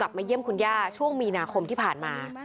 มาเยี่ยมคุณย่าช่วงมีนาคมที่ผ่านมา